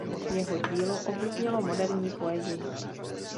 Jeho dílo ovlivnilo moderní poezii.